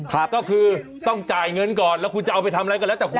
ก็คือต้องจ่ายเงินก่อนแล้วคุณจะเอาไปทำอะไรก็แล้วแต่คุณ